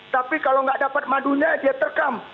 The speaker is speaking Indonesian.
tapi kalau gak dapat madunya dia terkam